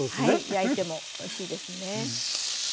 焼いてもおいしいですね。